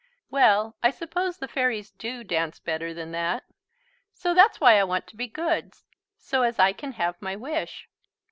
"Well, I suppose the fairies do dance better than that." "So that's why I want to be good, so as I can have my wish."